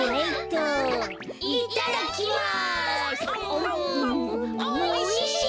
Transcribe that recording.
おいしい！